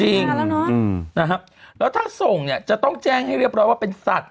จริงแล้วถ้าส่งจะต้องแจ้งให้เรียบร้อยว่าเป็นสัตว์